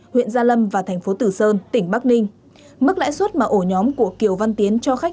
huyện gia lâm và thành phố tử sơn tỉnh bắc ninh mức lãi suất mà ổ nhóm của kiều văn tiến cho khách